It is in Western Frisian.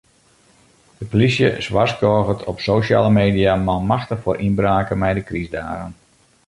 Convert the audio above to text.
De polysje warskôget op sosjale media manmachtich foar ynbraken mei de krystdagen.